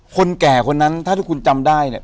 คนแก่คนนั้นถ้าที่คุณจำได้เนี่ย